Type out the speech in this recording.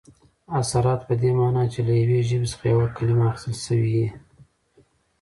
اثرات په دې مانا، چي له یوې ژبي څخه یوه کلیمه اخستل سوې يي.